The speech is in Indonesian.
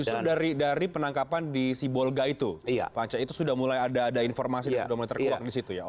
justru dari penangkapan di si bolga itu pak anca itu sudah mulai ada informasi yang sudah mulai terkeluar di situ ya